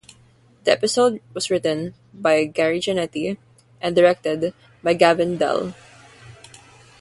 The episode was written by Gary Janetti and directed by Gavin Dell.